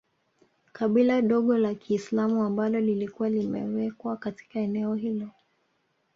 Kabila dogo la kiislamu ambalo lilikuwa limewekwa katika eneo hilo